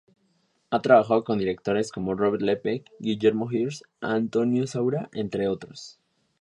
Ha trabajado con directores como Robert Lepage, Guillermo Heras, Antonio Saura, entre otros.